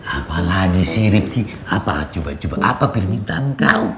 apa lagi sih ripti apa permintaan kau